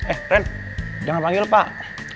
eh ren jangan panggil pak